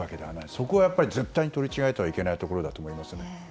そこは絶対に取り違えてはいけない部分だと思います。